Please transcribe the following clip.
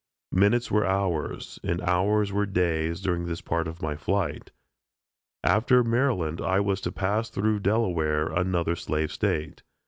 Minutes were hours, and hours were days during this part of my flight. After Maryland I was to pass through Delaware another slave State.